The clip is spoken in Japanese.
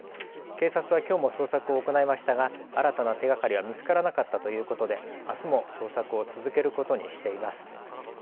警察はきょうも捜索を行いましたが新たな手がかりは見つからなかったということであすも捜索を続けることにしています。